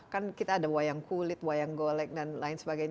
kan kita ada wayang kulit wayang golek dan lain sebagainya